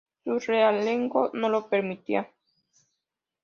Su realengo no lo permitía.